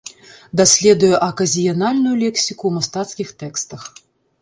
Даследуе аказіянальную лексіку ў мастацкіх тэкстах.